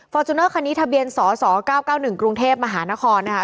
ฟอร์จูเนอร์คันนี้ทะเบียนสองสองเก้าเก้าหนึ่งกรุงเทพมหานครนะคะ